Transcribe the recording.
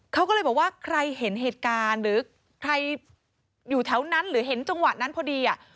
เขาก็เลยบอกว่าใครเห็นเหตุการณ์หรือใครอยู่แถวนั้นหรือเห็นจังหวะนั้นพอดีอ่ะ